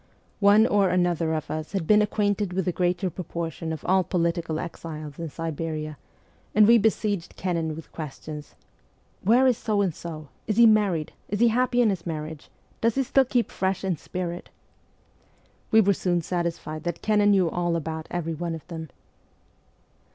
One or another of us had been acquainted with the greater proportion of all political exiles in Siberia, and we besieged Kennan with questions : 1 Where is So and So ? Is he married ? Is he happy in his marriage ? Does he still keep fresh in spirit ?' We were soon satisfied that Kennan knew all about every one of them.